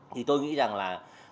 thì tôi nghĩ rằng là